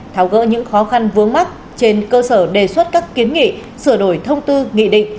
tháo gỡ những khó khăn vướng mắt trên cơ sở đề xuất các kiến nghị sửa đổi thông tư nghị định